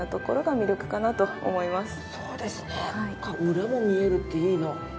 裏も見えるっていいな。